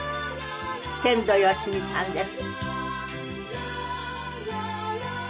天童よしみさんです。